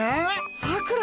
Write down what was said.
さくら？